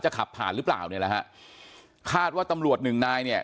ขับผ่านหรือเปล่าเนี่ยแหละฮะคาดว่าตำรวจหนึ่งนายเนี่ย